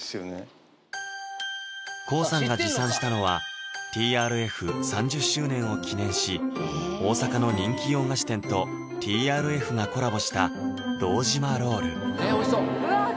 ＫＯＯさんが持参したのは「ＴＲＦ」３０周年を記念し大阪の人気洋菓子店と「ＴＲＦ」がコラボした堂島ロールうわっ